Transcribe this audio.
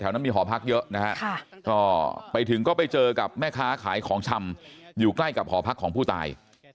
นั้นมีหอพักเยอะนะฮะก็ไปถึงก็ไปเจอกับแม่ค้าขายของชำอยู่ใกล้กับหอพักของผู้ตาย